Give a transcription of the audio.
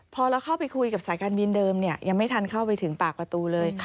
พอเราเข้าไปคุยกับสายการบินเดิมยังไม่ทันเข้าไปถึงปากประตูเลย